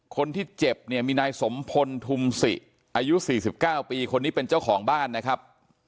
คนที่เจ็บเนี่ยมีนายสมพลทุมศิอายุ๔๙ปีคนนี้เป็นเจ้าของบ้านนะครับ